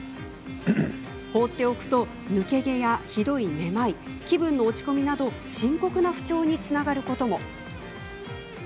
放っておくと抜け毛や、ひどいめまい気分の落ち込みなど深刻な不調につながることも。